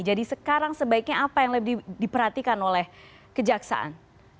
jadi sekarang sebaiknya apa yang lebih diperhatikan oleh kejaksaan